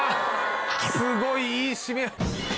すごいいい締め。